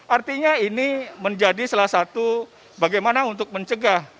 artinya ini menjadi salah satu bagaimana untuk mencegah